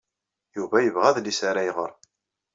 Yuba yebɣa adlis ara iɣer.